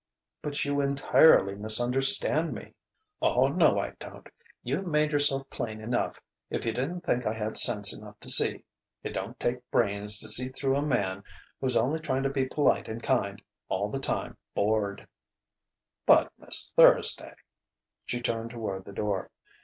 "But you entirely misunderstand me " "O no, I don't! You've made yourself plain enough, if you didn't think I had sense enough to see. It don't take brains to see through a man who's only trying to be polite and kind all the time bored " "But, Miss Thursday " She turned toward the door.